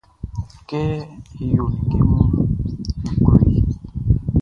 Kɛ e yo ninnge munʼn, n klo i.